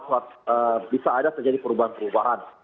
suatu bisa ada terjadi perubahan perubahan